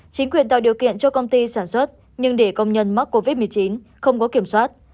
chính quyền tạo điều kiện cho công ty sản xuất nhưng để công nhân mắc covid một mươi chín không có kiểm soát